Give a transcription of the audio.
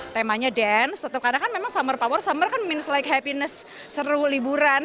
temanya dance tetap karena kan memang summer power summer kan mins like happiness seru liburan